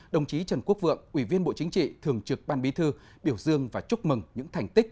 đồng chí trần quốc vượng ủy viên bộ chính trị thường trực ban bí thư biểu dương và chúc mừng những thành tích